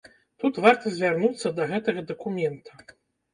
Тут варта звярнуцца да гэтага дакумента.